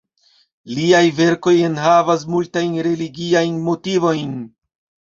Liaj verkoj enhavas multajn religiajn motivojn.